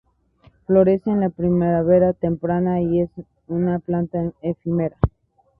Florece en la primavera temprana y es una planta efímera.